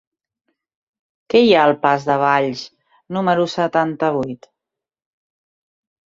Què hi ha al pas de Valls número setanta-vuit?